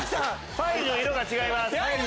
ファイルの色が違います。